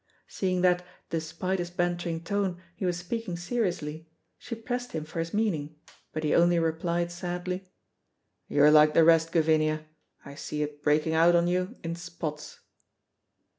Seeing that, despite his bantering tone, he was speaking seriously, she pressed him for his meaning, but he only replied sadly, "You're like the rest, Gavinia, I see it breaking out on you in spots."